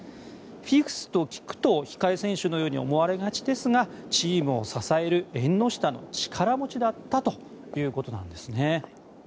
フィフスと聞くと控え選手のように思われがちですがチームを支える縁の下の力持ちだったということなんです。